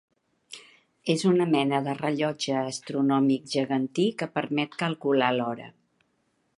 És una mena de rellotge astronòmic gegantí que permet calcular l'hora.